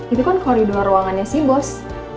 itu kan koridor ruangannya sih bos